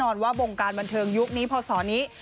หรือว่าโบงการบันเทิงยุคนี้พ่อสอนี้